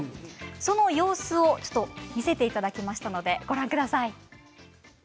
その様子を見せていただきましたのでご覧ください。